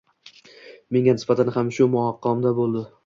menga nisbatan ham shu maqomda boʼldi.